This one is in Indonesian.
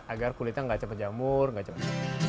agar kulitnya nggak cepat jamur nggak cepat